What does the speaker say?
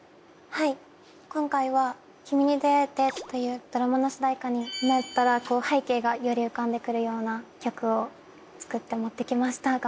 はい今回は『君に出逢えて』というドラマの主題になったら背景がより浮かんでくるような曲を作って持ってきました